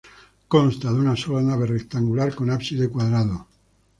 Consta de una sola nave rectangular con ábside cuadrado.